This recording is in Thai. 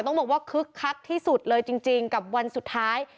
ต้องบอกว่าคึกคักที่สุดเลยจริงกับวันสุดท้าย